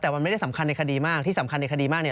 แต่มันไม่ได้สำคัญในคดีมากที่สำคัญในคดีมากเนี่ย